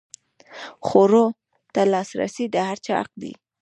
خوړو ته لاسرسی د هر چا حق دی.